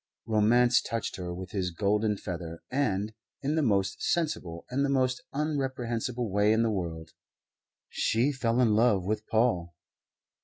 Romance touched her with his golden feather and, in the most sensible and the most unreprehensible way in the world, she fell in love with Paul.